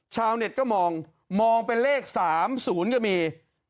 ชาวเน็ตก็มองมองเป็นเลข๓๐ก็มี